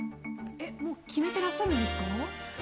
もう決めていらっしゃるんですか。